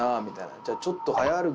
「じゃあちょっと」。